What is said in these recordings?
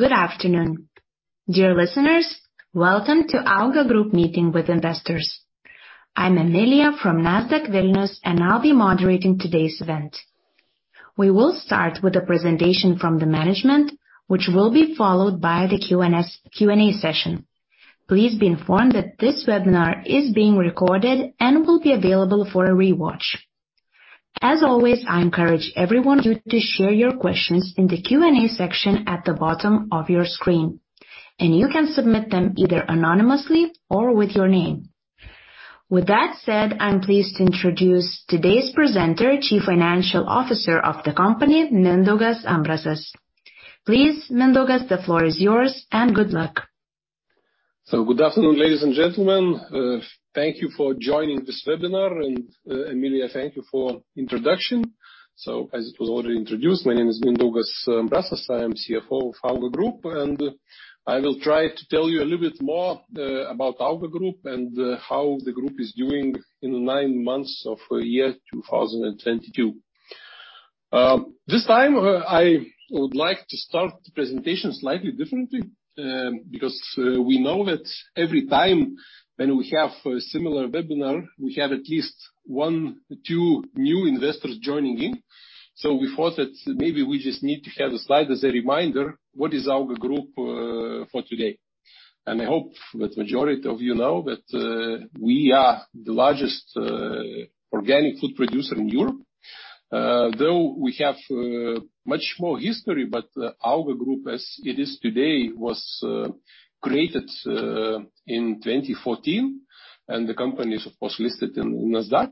Good afternoon, dear listeners. Welcome to AUGA group Meeting with Investors. I'm Emilia from Nasdaq Vilnius, I'll be moderating today's event. We will start with a presentation from the management, which will be followed by the Q&A session. Please be informed that this webinar is being recorded and will be available for a rewatch. As always, I encourage everyone to share your questions in the Q&A section at the bottom of your screen, you can submit them either anonymously or with your name. With that said, I'm pleased to introduce today's presenter, Chief Financial Officer of the company, Mindaugas Ambrasas. Please, Mindaugas, the floor is yours, good luck. Good afternoon, ladies and gentlemen. Thank you for joining this webinar. Emilia, thank you for introduction. As it was already introduced, my name is Mindaugas Ambrasas. I am CFO of AUGA group, I will try to tell you a little bit more about AUGA group and how the group is doing in nine months of year 2022. This time, I would like to start the presentation slightly differently, because we know that every time when we have a similar webinar, we have at least one, two new investors joining in. We thought that maybe we just need to have the slide as a reminder, what is AUGA group for today. I hope that majority of you know that we are the largest organic food producer in Europe. Though we have much more history, AUGA group, as it is today, was created in 2014. The company is, of course, listed in Nasdaq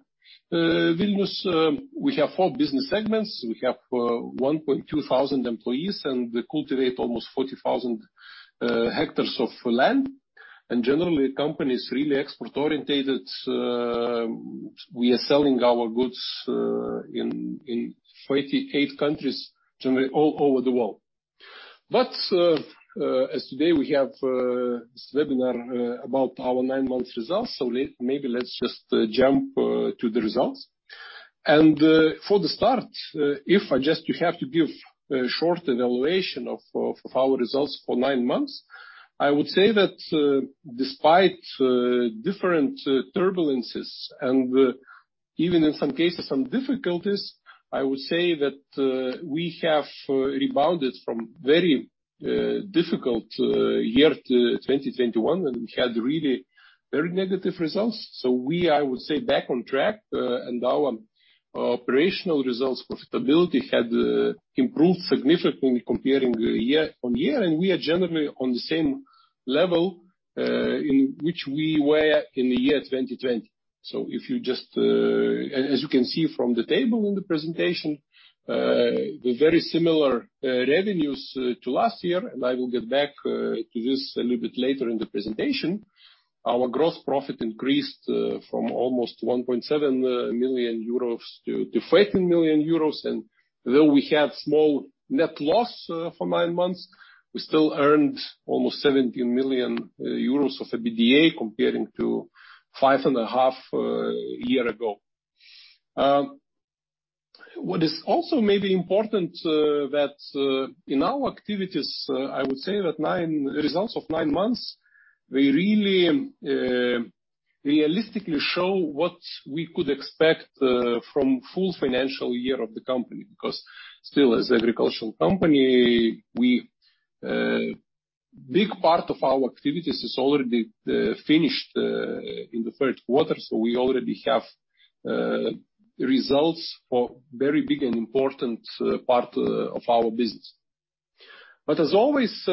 Vilnius. We have four business segments. We have 1,200 employees, and we cultivate almost 40,000 hectares of land. Generally, company is really export-orientated. We are selling our goods in 48 countries, generally all over the world. As today we have this webinar about our nine months results, maybe let's just jump to the results. For the start, if I just to have to give a short evaluation of our results for nine months, I would say that despite different turbulences and even in some cases some difficulties, I would say that we have rebounded from very difficult year to 2021, and we had really very negative results. We are, I would say, back on track. And our operational results profitability had improved significantly comparing year-on-year, and we are generally on the same level in which we were in the year 2020. If you just as you can see from the table in the presentation, we're very similar revenues to last year, and I will get back to this a little bit later in the presentation. Our gross profit increased from almost 1.7 million-15 million euros. Though we have small net loss for nine months, we still earned almost 70 million euros of EBITDA comparing to 5.5 million year ago. What is also maybe important that in our activities, I would say that results of nine months, they really realistically show what we could expect from full financial year of the company. Still, as agricultural company, we big part of our activities is already finished in the third quarter. We already have results for very big and important part of our business. As always,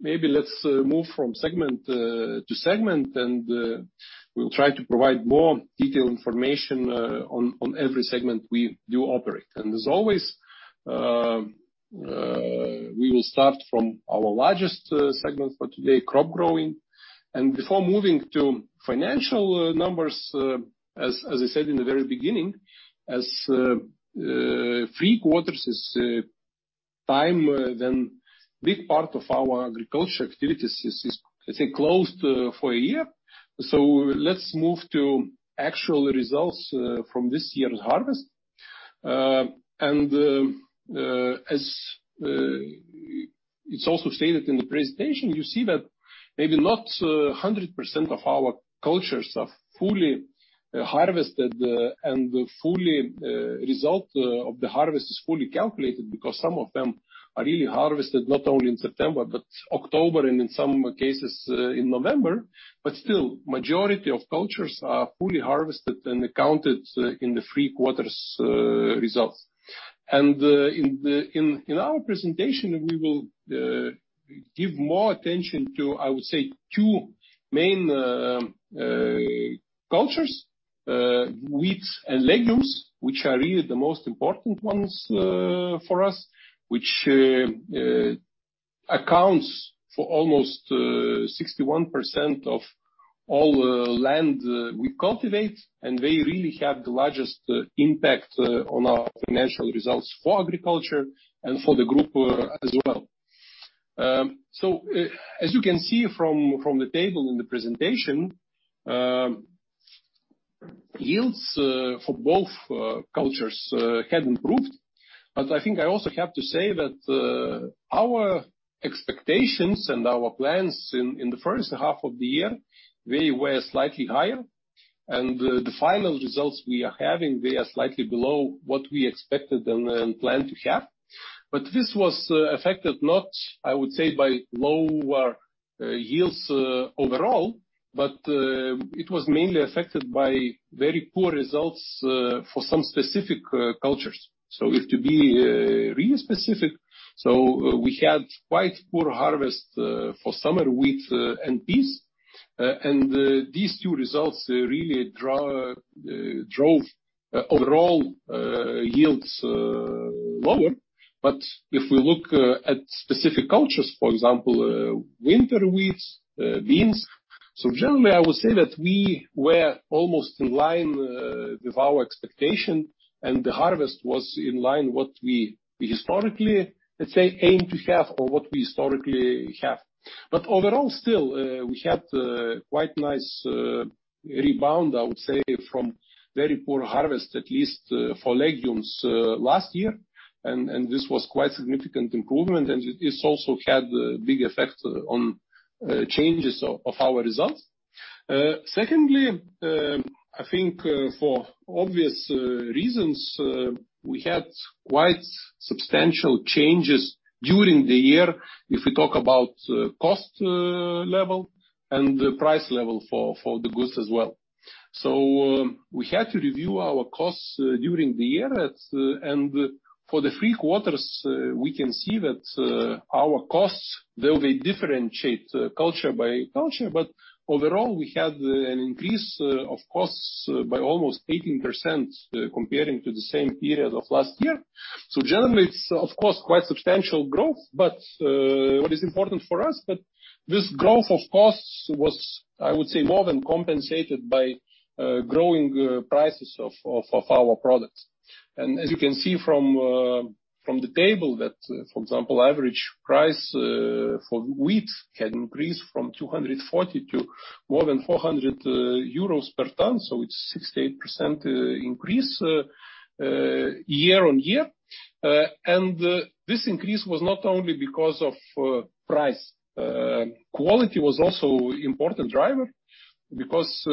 maybe let's move from segment to segment, and we'll try to provide more detailed information on every segment we do operate. As always, we will start from our largest segment for today, crop growing. Before moving to financial numbers, as I said in the very beginning, as three quarters is time when big part of our agriculture activities is, I think, closed for a year. Let's move to actual results from this year's harvest. As it's also stated in the presentation, you see that maybe not 100% of our cultures are fully harvested and fully result of the harvest is fully calculated because some of them are really harvested not only in September, but October and in some cases in November. Still, majority of cultures are fully harvested and accounted in the three quarters results. In our presentation, we will give more attention to, I would say, two main cultures, wheats and legumes, which are really the most important ones for us, which accounts for almost 61% of all land we cultivate. They really have the largest impact on our financial results for agriculture and for the group as well. As you can see from the table in the presentation. Yields for both cultures have improved. I think I also have to say that our expectations and our plans in the first half of the year, they were slightly higher, and the final results we are having, they are slightly below what we expected and planned to have. This was affected not, I would say, by lower yields overall, but it was mainly affected by very poor results for some specific cultures. To be really specific, so we had quite poor harvest for summer wheat and peas, and these two results really drove overall yields lower. If we look at specific cultures, for example, winter wheats, beans. Generally, I would say that we were almost in line with our expectation and the harvest was in line what we historically, let's say, aim to have or what we historically have. Overall still, we had quite nice rebound, I would say, from very poor harvest, at least for legumes last year, and this was quite significant improvement, and it's also had a big effect on changes of our results. Secondly, I think for obvious reasons, we had quite substantial changes during the year, if we talk about cost level and the price level for the goods as well. We had to review our costs during the year, and for the three quarters, we can see that our costs, though they differentiate culture by culture. Overall, we had an increase of costs by almost 18% comparing to the same period of last year. Generally, it's of course, quite substantial growth, but what is important for us that this growth of costs was, I would say, more than compensated by growing prices of our products. As you can see from the table that, for example, average price for wheat had increased from 240 to more than 400 euros per ton, so it's 68% increase year-on-year. This increase was not only because of price. Quality was also important driver, because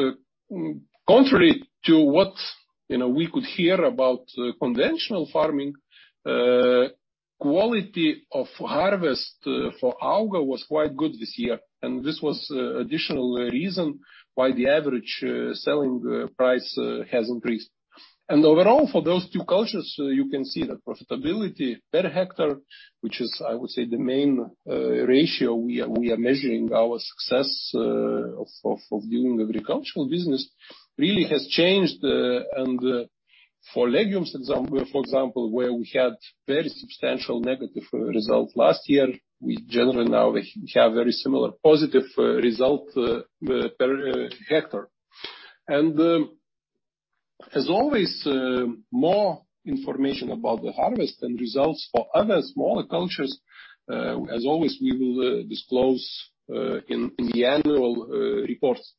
contrary to what, you know, we could hear about conventional farming, quality of harvest for AUGA was quite good this year, and this was additional reason why the average selling price has increased. Overall, for those two cultures, you can see that profitability per hectare, which is, I would say, the main ratio we are measuring our success of doing agricultural business really has changed. For legumes, for example, where we had very substantial negative result last year, we generally now have very similar positive result per hectare. As always, more information about the harvest and results for other smaller cultures, as always, we will disclose in the annual reports.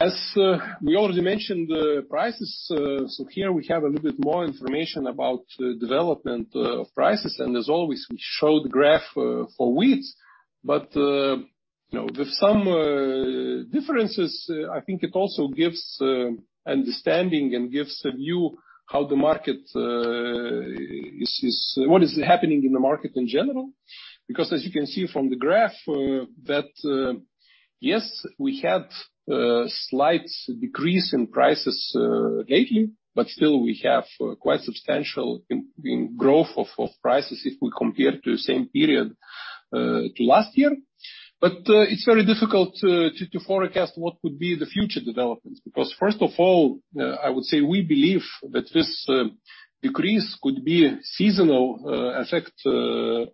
As we already mentioned the prices, here we have a little bit more information about development of prices, and as always, we show the graph for wheat. With some differences, I think it also gives understanding and gives a view how the market is, what is happening in the market in general. As you can see from the graph that yes, we had a slight decrease in prices lately, but still we have quite substantial growth of prices if we compare to the same period to last year. It's very difficult to forecast what would be the future developments, because first of all, I would say we believe that this decrease could be a seasonal effect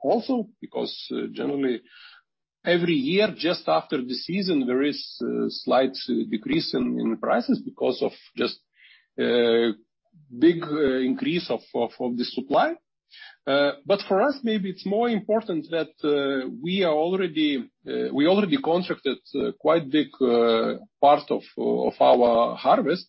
also, because generally every year, just after the season, there is a slight decrease in prices because of just a big increase of the supply. For us, maybe it's more important that we already contracted quite big part of our harvest.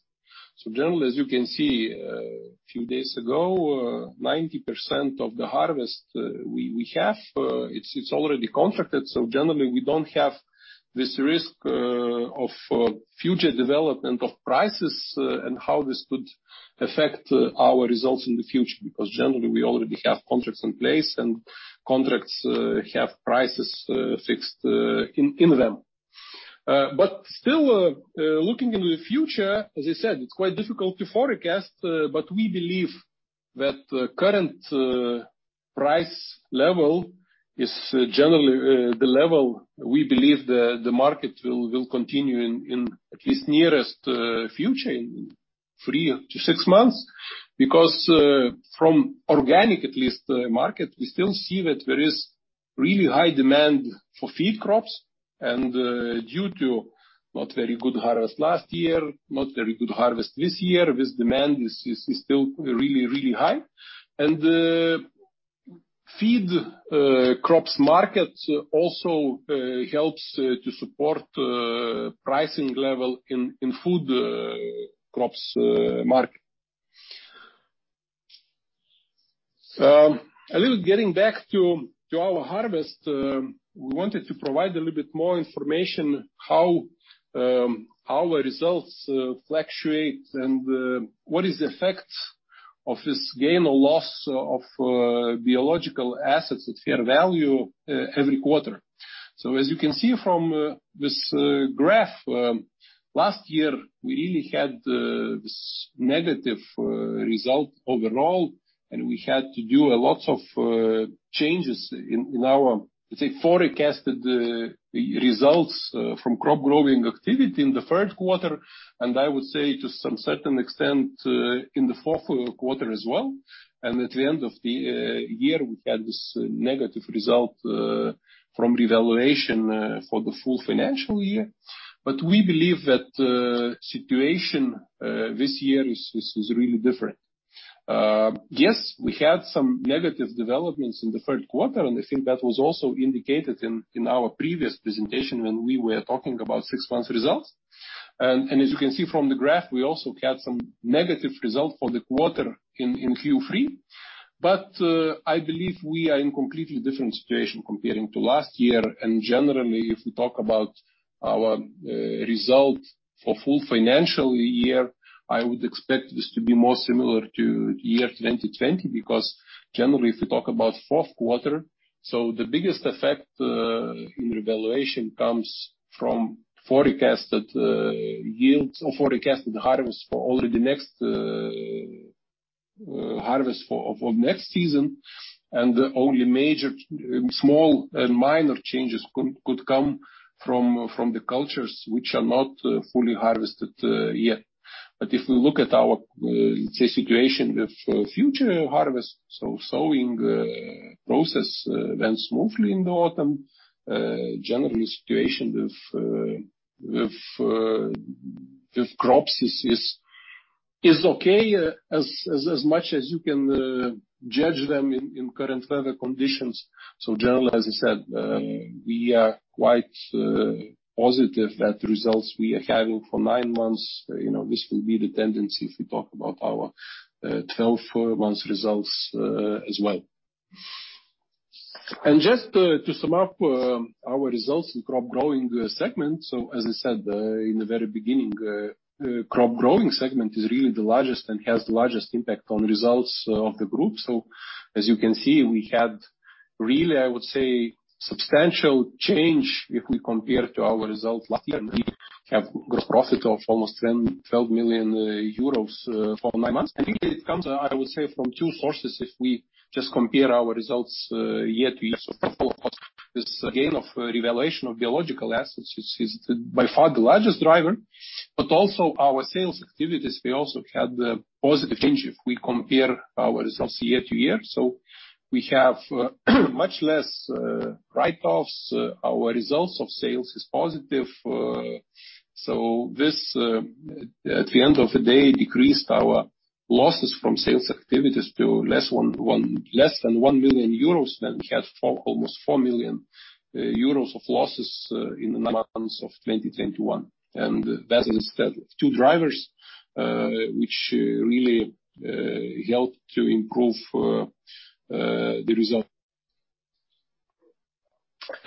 Generally, as you can see, a few days ago, 90% of the harvest we have, it's already contracted. Generally, we don't have this risk of future development of prices and how this could affect our results in the future, because generally, we already have contracts in place and contracts have prices fixed in them. Still, looking into the future, as I said, it's quite difficult to forecast, but we believe that the current price level is generally the level we believe the market will continue in at least nearest future, in three to six months. From organic, at least market, we still see that there is really high demand for feed crops. Due to not very good harvest last year, not very good harvest this year, this demand is still really high. Feed crops market also helps to support pricing level in food crops market. A little getting back to our harvest, we wanted to provide a little bit more information how our results fluctuate and what is the effect of this gain or loss of biological assets at fair value every quarter. As you can see from this graph, last year we really had this negative result overall, and we had to do a lot of changes in our, let's say, forecasted results from crop growing activity in the third quarter and I would say to some certain extent in the fourth quarter as well. At the end of the year, we had this negative result from revaluation for the full financial year. We believe that situation this year is really different. Yes, we had some negative developments in the third quarter, and I think that was also indicated in our previous presentation when we were talking about 6 months results. As you can see from the graph, we also had some negative results for the quarter in Q3. I believe we are in completely different situation comparing to last year. Generally, if we talk about our result for full financial year, I would expect this to be more similar to year 2020 because generally, if we talk about fourth quarter, the biggest effect in revaluation comes from forecasted yields or forecasted harvest for all of the next harvest for next season, and only major small and minor changes could come from the cultures which are not fully harvested yet. If we look at our, let's say, situation with future harvest, sowing process went smoothly in the autumn. Generally situation with crops is okay as much as you can judge them in current weather conditions. Generally, as I said, we are quite positive that results we are having for nine months, you know, this will be the tendency if we talk about our 12 months results as well. Just to sum up our results in crop growing segment. As I said in the very beginning, crop growing segment is really the largest and has the largest impact on results of the Group. As you can see, we had really, I would say, substantial change if we compare to our results last year. We have gross profit of almost 10 million-12 million euros for nine months. I think it comes, I would say from two sources if we just compare our results year-to-year. Of course, this gain of revaluation of biological assets is by far the largest driver, but also our sales activities, we also had a positive change if we compare our results year-to-year. We have much less write-offs. Our results of sales is positive. This, at the end of the day, decreased our losses from sales activities to less than 1 million euros than we had almost 4 million euros of losses in the nine months of 2021. That's instead two drivers which really helped to improve the result.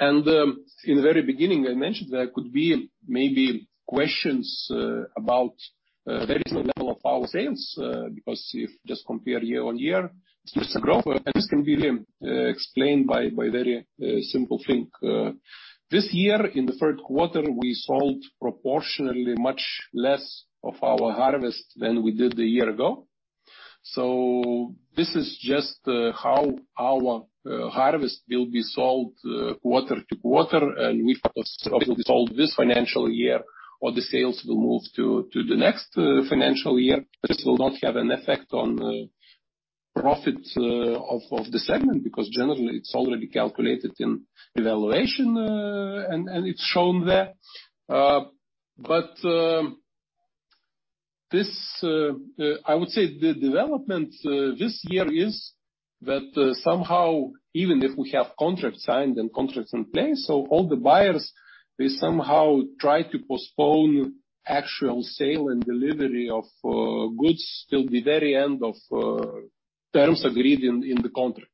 In the very beginning, I mentioned there could be maybe questions about the recent level of our sales, because if just compare year-on-year growth, this can be explained by very simple thing. This year in the third quarter, we sold proportionally much less of our harvest than we did a year ago. This is just how our harvest will be sold quarter-to-quarter, and we sold this financial year or the sales will move to the next financial year. This will not have an effect on the profit of the segment because generally it's already calculated in revaluation and it's shown there. But this I would say the development this year is that somehow even if we have contracts signed and contracts in place, all the buyers, they somehow try to postpone actual sale and delivery of goods till the very end of terms agreed in the contract.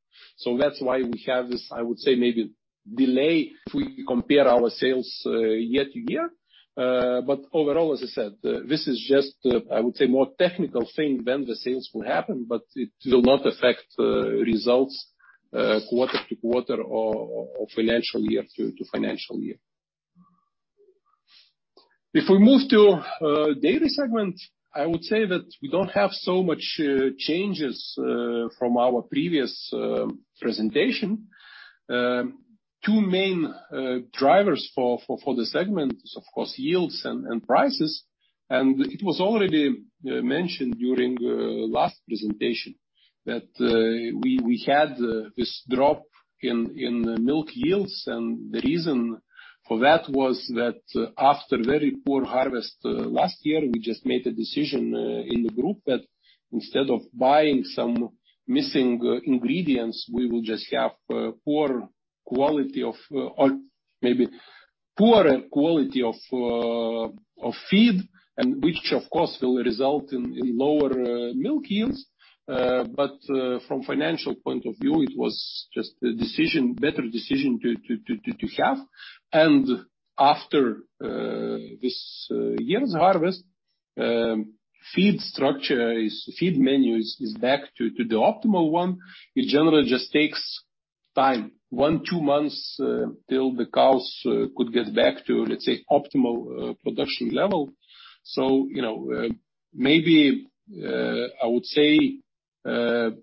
That's why we have this, I would say, maybe delay if we compare our sales year-to-year. Overall, as I said, this is just, I would say more technical thing when the sales will happen, but it will not affect the results, quarter-to-quarter or financial year to financial year. If we move to dairy segment, I would say that we don't have so much changes from our previous presentation. Two main drivers for the segment is of course yields and prices. It was already mentioned during last presentation that we had this drop in the milk yields. The reason for that was that after very poor harvest, last year, we just made a decision in the AUGA group that instead of buying some missing ingredients, we will just have poor quality of, or maybe poorer quality of feed, and which of course will result in lower milk yields. From financial point of view, it was just a decision, better decision to have. After this year's harvest, feed structure is, feed menu is back to the optimal one. It generally just takes time, one, two months, till the cows could get back to, let's say, optimal production level. You know, maybe, I would say, we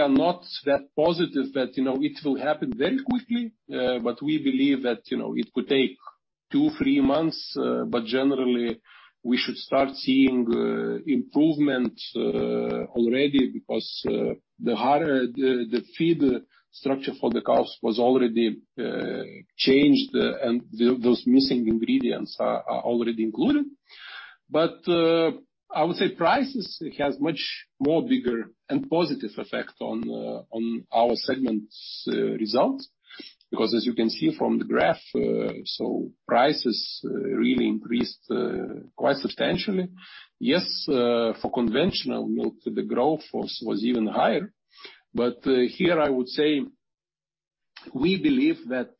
are not that positive that, you know, it will happen very quickly. We believe that, you know, it could take two, three months, but generally, we should start seeing improvement already because the harder the feed structure for the cows was already changed, and those missing ingredients are already included. I would say prices has much more bigger and positive effect on our segment's results. As you can see from the graph, so prices really increased quite substantially. Yes, for conventional milk, the growth was even higher. Here I would say we believe that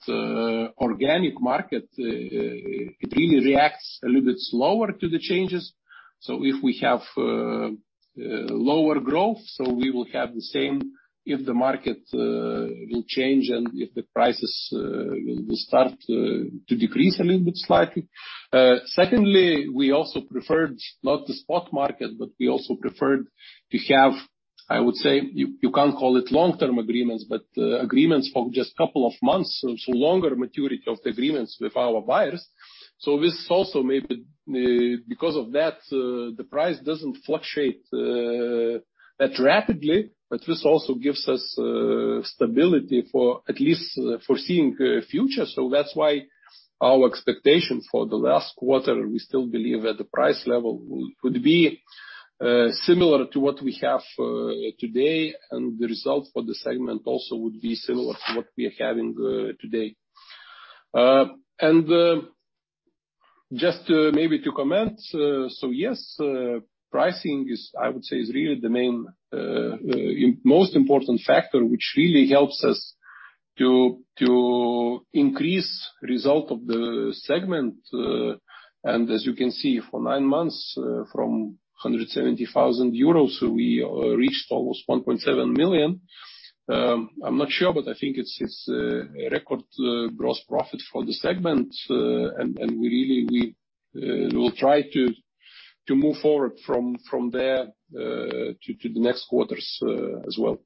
organic market, it really reacts a little bit slower to the changes. If we have lower growth, we will have the same if the market will change and if the prices will start to decrease a little bit slightly. Secondly, we also preferred not the spot market, but we also preferred to have, I would say, you can't call it long-term agreements, but agreements for just couple of months, so longer maturity of the agreements with our buyers. This also maybe because of that, the price doesn't fluctuate that rapidly, but this also gives us stability for at least foreseeing future. That's why our expectation for the last quarter, we still believe that the price level could be similar to what we have today, and the results for the segment also would be similar to what we are having today. Just maybe to comment, yes, pricing is, I would say, is really the main, most important factor, which really helps us to increase result of the segment. As you can see, for nine months, from 170,000 euros, we reached almost 1.7 million. I'm not sure, but I think it's a record gross profit for the segment. And we really, we will try to move forward from there, to the next quarters, as well.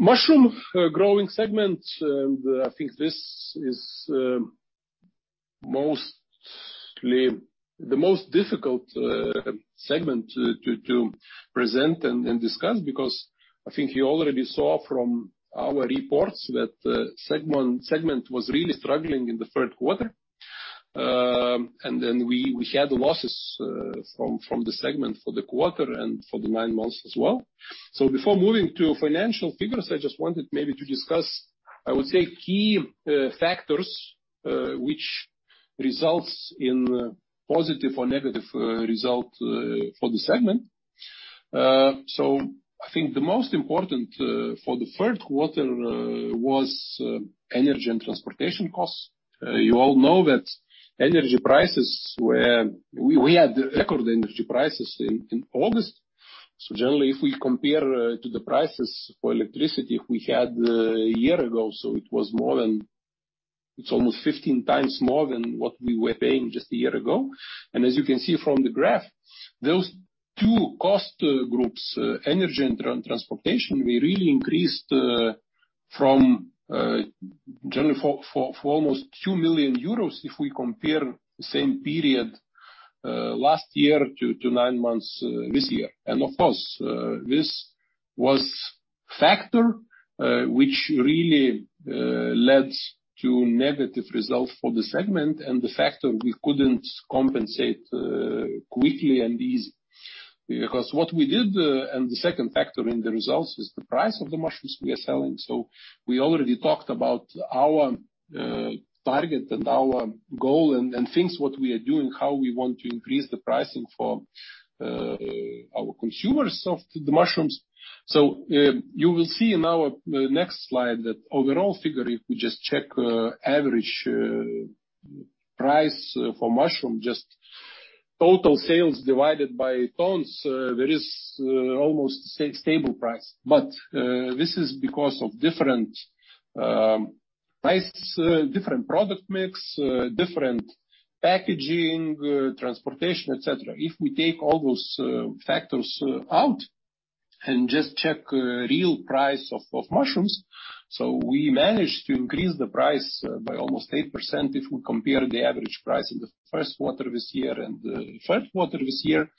Mushroom growing segment, and I think this is mostly the most difficult segment to, to present and discuss because I think you already saw from our reports that segment was really struggling in the third quarter. Then we had losses from the segment for the quarter and for the nine months as well. Before moving to financial figures, I just wanted maybe to discuss, I would say, key factors which results in positive or negative result for the segment. I think the most important for the third quarter was energy and transportation costs. You all know that energy prices. We had record energy prices in August. Generally, if we compare to the prices for electricity we had a year ago, it's almost 15 times more than what we were paying just a year ago. As you can see from the graph, those two cost groups, energy and transportation, we really increased from generally for almost 2 million euros if we compare the same period last year to nine months this year. Of course, this was factor which really led to negative results for the segment and the factor we couldn't compensate quickly and easy. What we did, and the second factor in the results is the price of the mushrooms we are selling. We already talked about our target and our goal and things what we are doing, how we want to increase the pricing for our consumers of the mushrooms. You will see in our next slide that overall figure, if we just check average price for mushroom, just total sales divided by tons, there is almost stable price. This is because of different price, different product mix, different packaging, transportation, et cetera. If we take all those factors out and just check real price of mushrooms, we managed to increase the price by almost 8% if we compare the average price in the first quarter this year and the third quarter this year.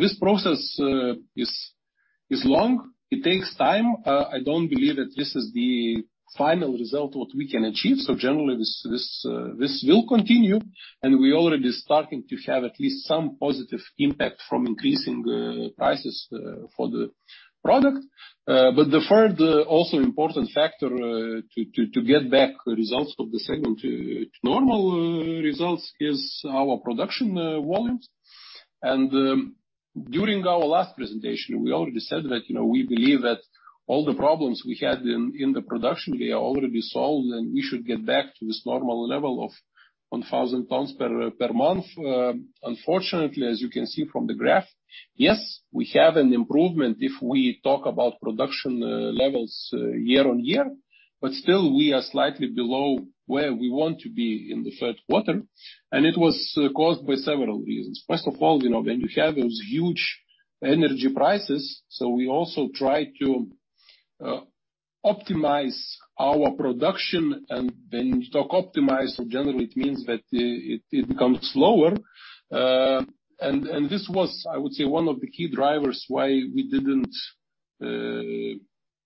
This process It's long, it takes time. I don't believe that this is the final result what we can achieve. Generally this will continue, and we already starting to have at least some positive impact from increasing prices for the product. The third also important factor to get back results of the segment to normal results is our production volumes. During our last presentation, we already said that, you know, we believe that all the problems we had in the production they are already solved, and we should get back to this normal level of 1,000 tons per month. Unfortunately, as you can see from the graph, yes, we have an improvement if we talk about production levels year-on-year, but still, we are slightly below where we want to be in the third quarter. It was caused by several reasons. First of all, you know, when you have those huge energy prices, we also try to optimize our production. When you talk optimize, generally it means that it becomes lower. This was, I would say, one of the key drivers why we didn't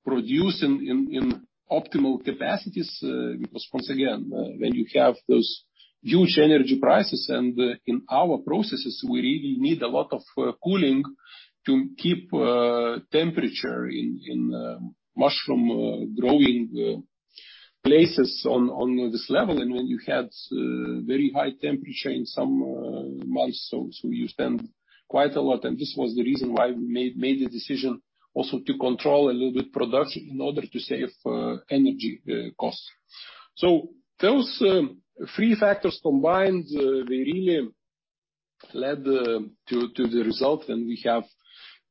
produce in optimal capacities, because once again, when you have those huge energy prices, and in our processes, we really need a lot of cooling to keep temperature in mushroom growing places on this level. When you had very high temperature in some months, you spend quite a lot. This was the reason why we made a decision also to control a little bit production in order to save energy costs. Those three factors combined, they really led to the result. We have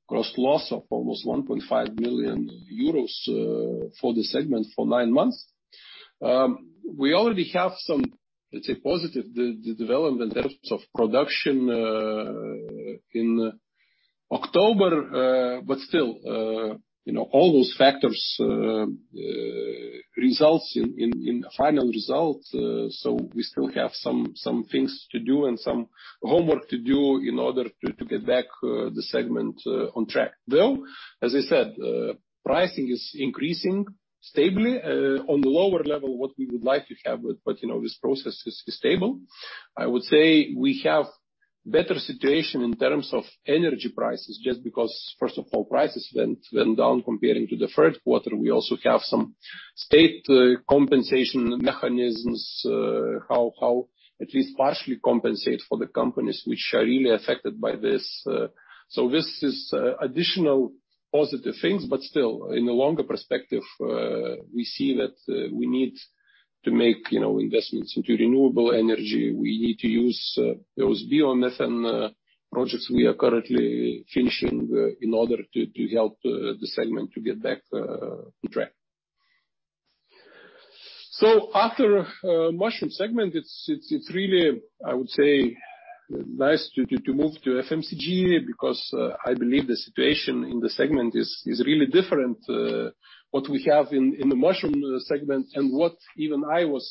cost loss of almost 1.5 million euros for the segment for nine months. We already have some, let's say, positive development in terms of production in October. Still, you know, all those factors results in final results. We still have some things to do and some homework to do in order to get back the segment on track. Though, as I said, pricing is increasing stably on the lower level what we would like to have, but, you know, this process is stable. I would say we have better situation in terms of energy prices, just because, first of all, prices went down comparing to the third quarter. We also have some state compensation mechanisms, how at least partially compensate for the companies which are really affected by this. This is additional positive things, but still, in the longer perspective, we see that we need to make, you know, investments into renewable energy. We need to use those biomethane projects we are currently finishing in order to help the segment to get back on track. After mushroom segment, it's really, I would say, nice to move to FMCG because I believe the situation in the segment is really different what we have in the mushroom segment and what even I was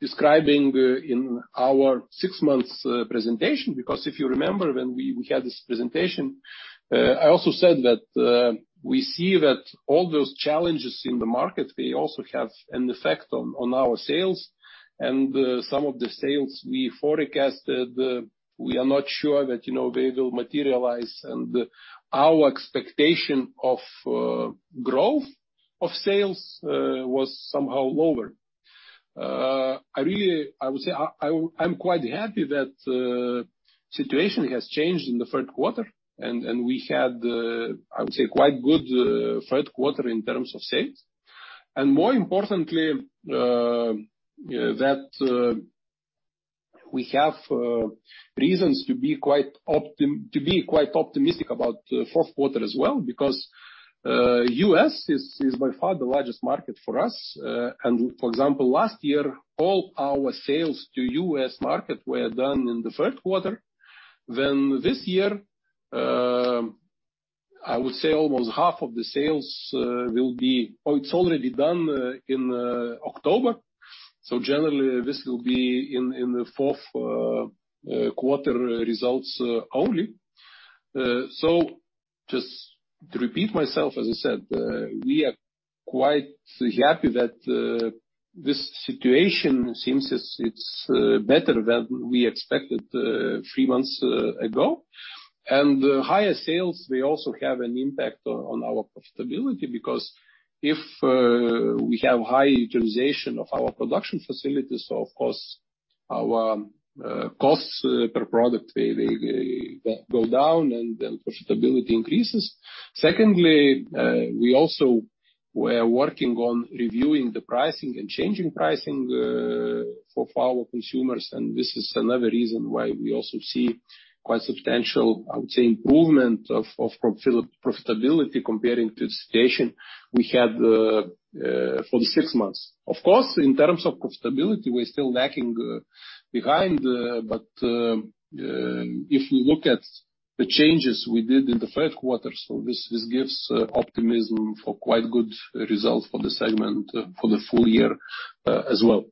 describing in our six months presentation. Because if you remember when we had this presentation, I also said that, we see that all those challenges in the market, they also have an effect on our sales. Some of the sales we forecasted, we are not sure that, you know, they will materialize, and our expectation of, growth of sales, was somehow lower. I really, I would say I'm quite happy that, situation has changed in the third quarter. We had, I would say, quite good, third quarter in terms of sales. More importantly, that, we have, reasons to be quite optimistic about, fourth quarter as well because, U.S. is by far the largest market for us. For example, last year, all our sales to U.S. market were done in the third quarter. This year, I would say almost half of the sales will be. Oh, it's already done in October, so generally this will be in the fourth quarter results only. Just to repeat myself, as I said, we are quite happy that this situation seems it's better than we expected three months ago. Higher sales also have an impact on our profitability because if we have high utilization of our production facilities, so of course our costs per product they go down, and profitability increases. Secondly, we also were working on reviewing the pricing and changing pricing for our consumers. This is another reason why we also see quite substantial, I would say, improvement of profitability comparing to the situation we had for the six months. Of course, in terms of profitability, we're still lacking behind. If we look at the changes we did in the third quarter, this gives optimism for quite good results for the segment for the full year as well.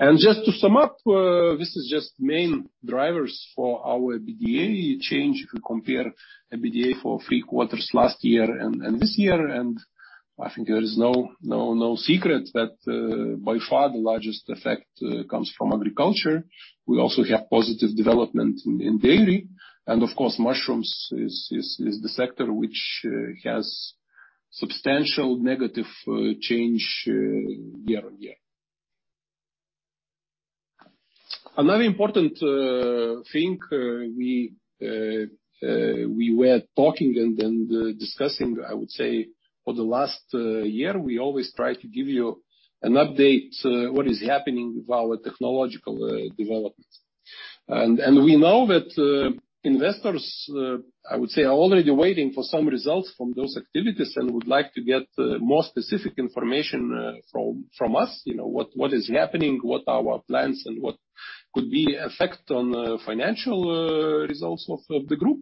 Just to sum up, this is just main drivers for our EBITDA change if you compare EBITDA for three quarters last year and this year. I think there is no secret that by far the largest effect comes from agriculture. We also have positive development in dairy. Of course, mushrooms is the sector which has substantial negative change year-on-year. Another important thing we were talking and discussing, I would say, for the last year, we always try to give you an update what is happening with our technological developments. We know that investors, I would say, are already waiting for some results from those activities and would like to get more specific information from us. You know, what is happening, what are our plans and what could be effect on the financial results of the group.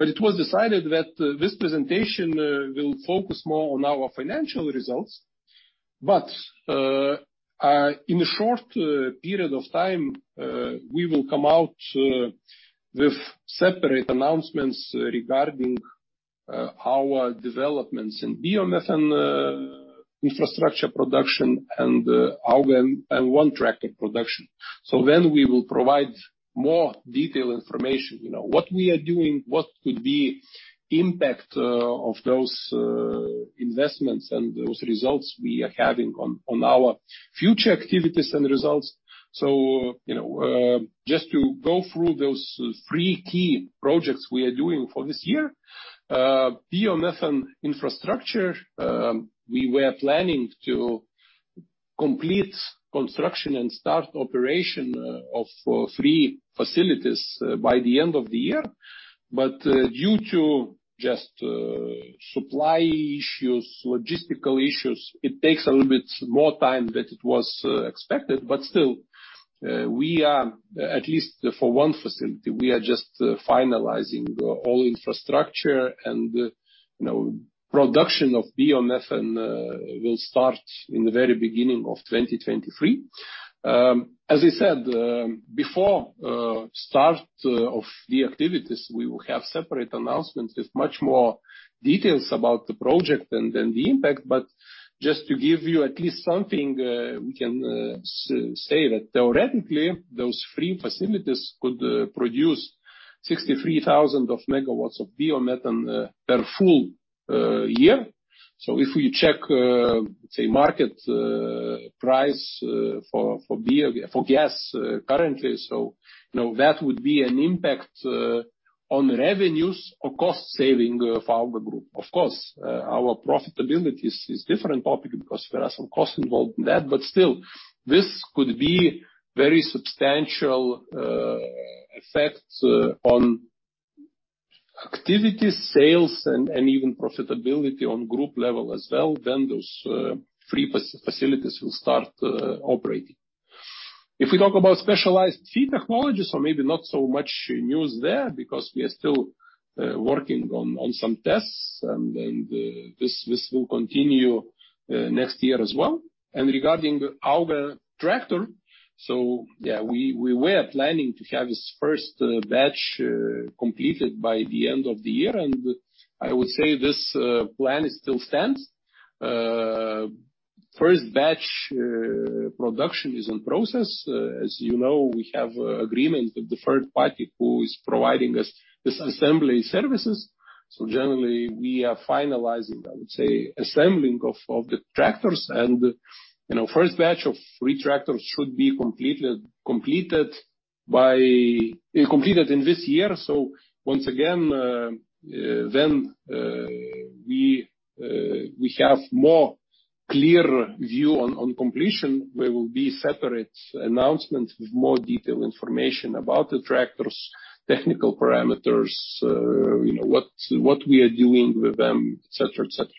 It was decided that this presentation will focus more on our financial results. In a short period of time, we will come out with separate announcements regarding our developments in biomethane infrastructure production and our M1 tractor production. Then we will provide more detailed information. You know, what we are doing, what could be impact of those investments and those results we are having on our future activities and results. You know, just to go through those three key projects we are doing for this year. biomethane infrastructure, we were planning to complete construction and start operation of three facilities by the end of the year. Due to just supply issues, logistical issues, it takes a little bit more time than it was expected. Still, we are, at least for one facility, we are just finalizing all infrastructure and, you know, production of biomethane will start in the very beginning of 2023. As I said, before start of the activities, we will have separate announcements with much more details about the project and the impact. Just to give you at least something, we can say that theoretically, those three facilities could produce 63,000 MW of biomethane per full year. If we check, say, market price for gas currently, you know, that would be an impact on revenues or cost saving of our group. Of course, our profitability is different topic because there are some costs involved in that. Still, this could be very substantial effect on activities, sales, and even profitability on group level as well, then those three facilities will start operating. If we talk about specialized feed technologies, maybe not so much news there because we are still working on some tests, and then this will continue next year as well. Regarding our tractor, yeah, we were planning to have this first batch completed by the end of the year. I would say this plan still stands. First batch production is on process. As you know, we have agreement with the third party who is providing us this assembly services. Generally, we are finalizing, I would say, assembling of the tractors. You know, first batch of three tractors should be completed in this year. once again, we have more clear view on completion. There will be separate announcements with more detailed information about the tractors, technical parameters, you know, what we are doing with them, et cetera, et cetera.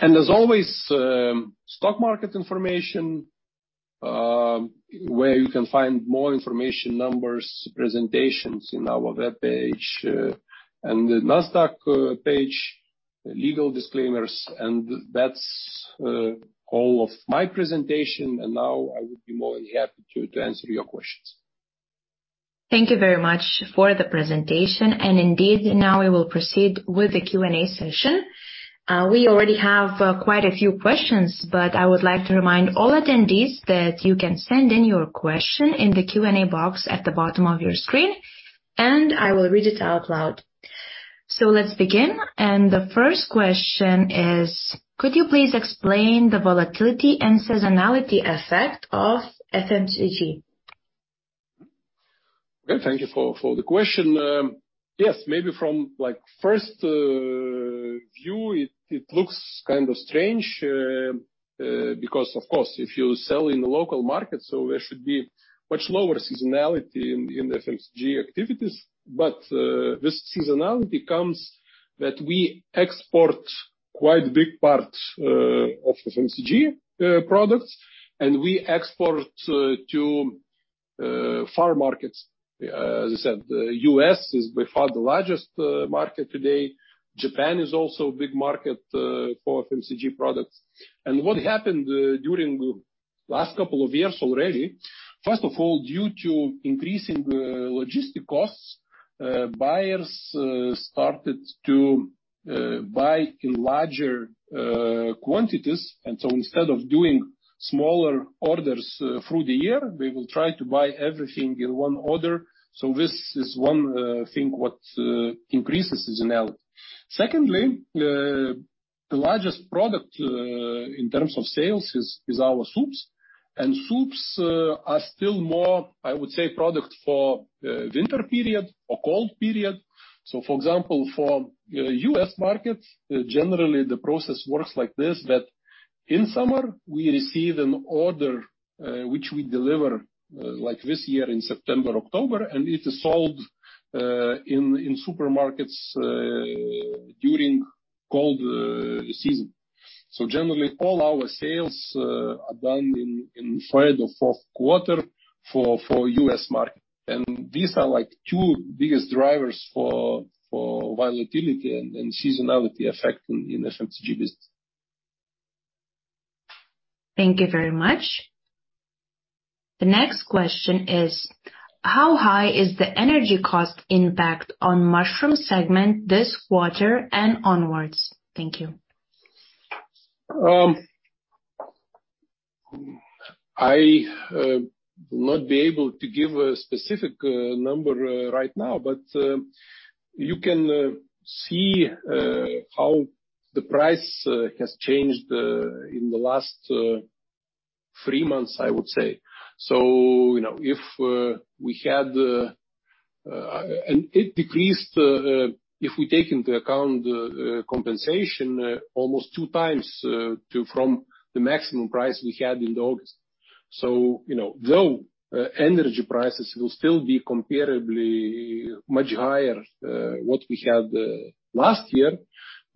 as always, stock market information, where you can find more information, numbers, presentations in our webpage. the Nasdaq page, legal disclaimers. that's all of my presentation. now I would be more than happy to answer your questions. Thank you very much for the presentation. Indeed, now we will proceed with the Q&A session. We already have quite a few questions, but I would like to remind all attendees that you can send in your question in the Q&A box at the bottom of your screen, and I will read it out loud. Let's begin. The first question is, could you please explain the volatility and seasonality effect of FMCG? Okay. Thank you for the question. Yes, maybe from like first view, it looks kind of strange because of course, if you sell in the local market, so there should be much lower seasonality in the FMCG activities. This seasonality comes that we export quite big part of FMCG products, and we export to far markets. As I said, U.S. is by far the largest market today. Japan is also a big market for FMCG products. What happened during the last couple of years already, first of all, due to increasing logistic costs, buyers started to buy in larger quantities. Instead of doing smaller orders through the year, they will try to buy everything in one order. This is one thing what increases seasonality. Secondly, the largest product in terms of sales is our soups. Soups are still more, I would say, product for winter period or cold period. For example, for U.S. markets, generally the process works like this, that in summer we receive an order, which we deliver, like this year in September, October, and it is sold in supermarkets during cold season. Generally, all our sales are done in third or fourth quarter for U.S. market. These are like two biggest drivers for volatility and seasonality effect in FMCG business. Thank you very much. The next question is, how high is the energy cost impact on mushroom segment this quarter and onwards? Thank you. I will not be able to give a specific number right now, but you can see how the price has changed in the last three months, I would say. You know, and it decreased, if we take into account the compensation almost two times to from the maximum price we had in August. You know, though energy prices will still be comparably much higher what we had last year,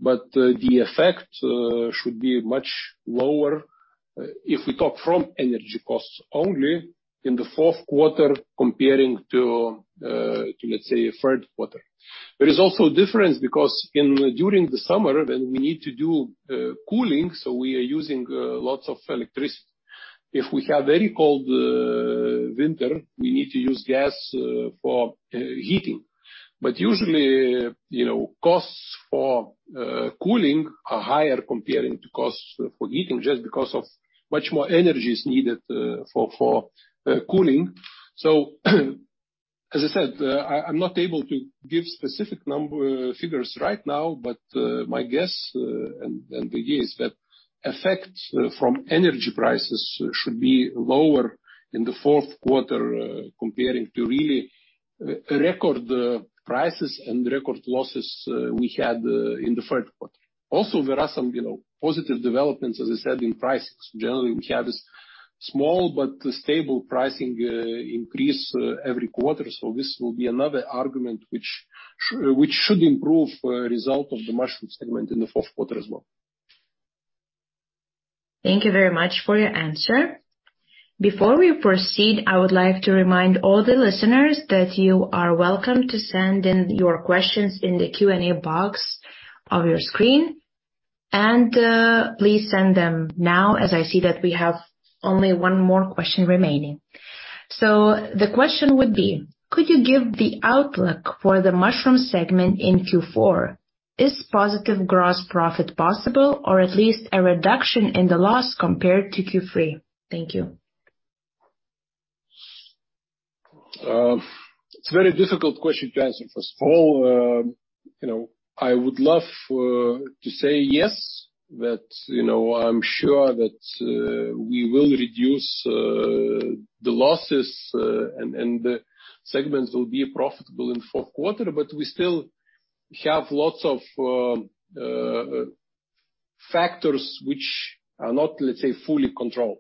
but the effect should be much lower if we talk from energy costs only in the fourth quarter comparing to let's say, third quarter. There is also a difference because in during the summer when we need to do cooling, so we are using lots of electricity. If we have very cold winter, we need to use gas for heating. Usually, you know, costs for cooling are higher comparing to costs for heating just because of much more energy is needed for cooling. As I said, I'm not able to give specific figures right now, but my guess, and the guess that effects from energy prices should be lower in the fourth quarter, comparing to really record the prices and record losses, we had in the third quarter. There are some, you know, positive developments, as I said, in prices. Generally, we have a small but stable pricing increase every quarter, so this will be another argument which should improve result of the mushroom segment in the fourth quarter as well. Thank you very much for your answer. Before we proceed, I would like to remind all the listeners that you are welcome to send in your questions in the Q&A box of your screen. Please send them now as I see that we have only one more question remaining. The question would be: Could you give the outlook for the mushroom segment in Q4? Is positive gross profit possible or at least a reduction in the loss compared to Q3? Thank you. It's a very difficult question to answer. First of all, you know, I would love for to say yes, but, you know, I'm sure that we will reduce the losses and the segments will be profitable in fourth quarter. We still have lots of factors which are not, let's say, fully controlled.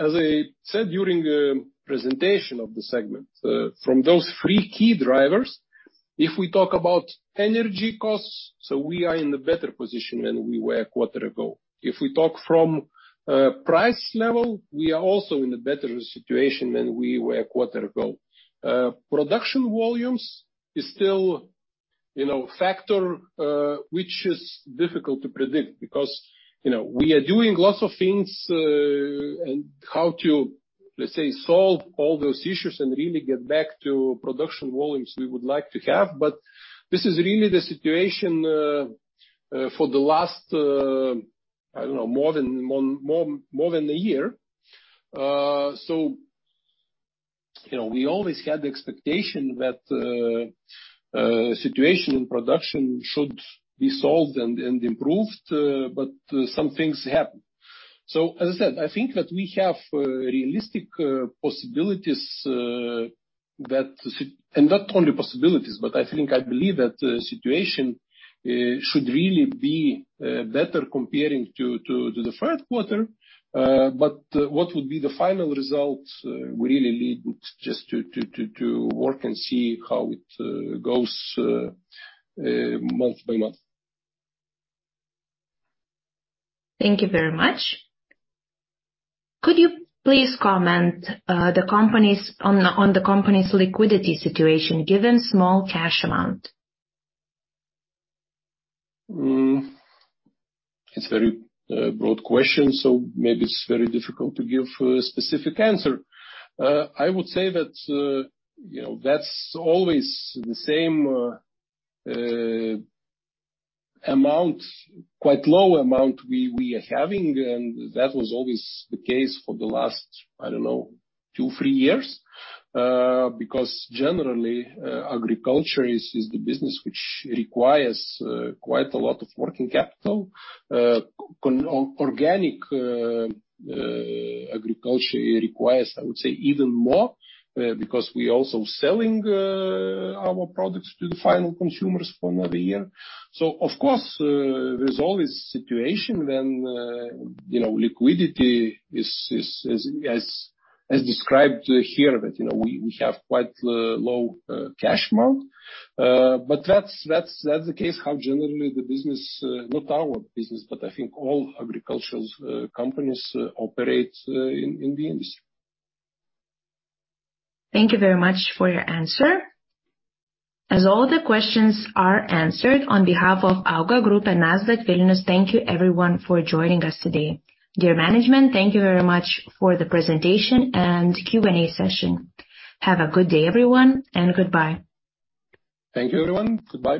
As I said, during the presentation of the segment, from those three key drivers, if we talk about energy costs, we are in a better position than we were a quarter ago. If we talk from price level, we are also in a better situation than we were a quarter ago. Production volumes is still, you know, factor, which is difficult to predict because, you know, we are doing lots of things, and how to, let's say, solve all those issues and really get back to production volumes we would like to have. This is really the situation for the last, I don't know, more than a year. You know, we always had the expectation that situation in production should be solved and improved. Some things happen. As I said, I think that we have realistic possibilities that, and not only possibilities, but I think I believe that the situation should really be better comparing to the third quarter. What would be the final result, we really need just to work and see how it goes month by month. Thank you very much. Could you please comment, on the company's liquidity situation given small cash amount? It's very broad question, maybe it's very difficult to give a specific answer. I would say that, you know, that's always the same amount, quite low amount we are having, and that was always the case for the last, I don't know, two, three years. Because generally, agriculture is the business which requires quite a lot of working capital. Organic agriculture requires, I would say, even more, because we're also selling our products to the final consumers for another year. Of course, there's always situation when, you know, liquidity is as described here that, you know, we have quite low cash amount. That's the case how generally the business, not our business, but I think all agricultural companies operate in the industry. Thank you very much for your answer. As all the questions are answered, on behalf of AUGA group and Nasdaq Vilnius, thank you everyone for joining us today. Dear management, thank you very much for the presentation and Q&A session. Have a good day, everyone, and goodbye. Thank you, everyone. Goodbye.